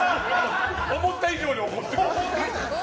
思った以上に怒ってる。